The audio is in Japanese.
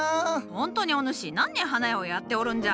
ほんとにお主何年花屋をやっておるんじゃ！